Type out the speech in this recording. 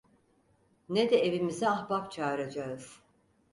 Ne de evimize ahbap çağıracağız…